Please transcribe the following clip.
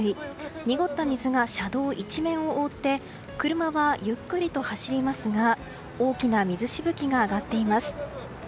濁った水が車道一面を覆って車はゆっくりと走りますが大きな水しぶきが上がっています。